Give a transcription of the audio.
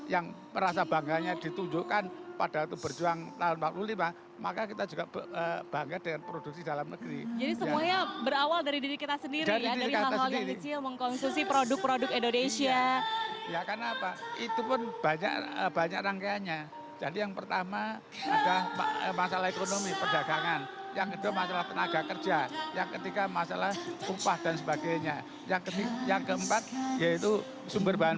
yang merasa bangganya ditunjukkan pada waktu berjuang tahun seribu sembilan ratus empat puluh lima